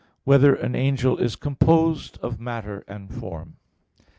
2] Whether an Angel Is Composed of Matter and Form?